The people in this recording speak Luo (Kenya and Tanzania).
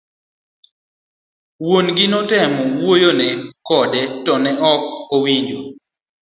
Wuon gi notemo wuoyo kode ,to ne ok owinjo.